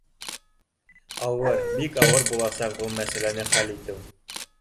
— Ауыр, бик ауыр буласаҡ был мәсьәләне хәл итеү